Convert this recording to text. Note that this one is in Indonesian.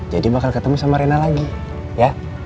jadi bakal ketemu sama rena lagi ya